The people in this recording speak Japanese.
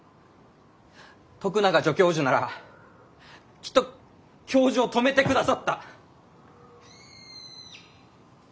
徳永助教授ならきっと教授を止めてくださった！